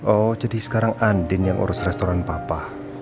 oh jadi sekarang andin yang urus restoran papa